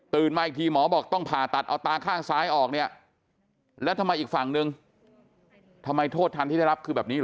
มาอีกทีหมอบอกต้องผ่าตัดเอาตาข้างซ้ายออกเนี่ยแล้วทำไมอีกฝั่งหนึ่งทำไมโทษทันที่ได้รับคือแบบนี้เห